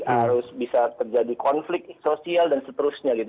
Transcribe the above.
harus bisa terjadi konflik sosial dan seterusnya gitu